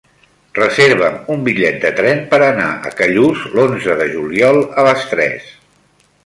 Reserva'm un bitllet de tren per anar a Callús l'onze de juliol a les tres.